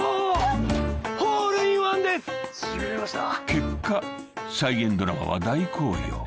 ［結果再現ドラマは大好評］